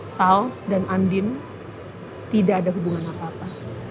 sal dan andin tidak ada hubungan apa apa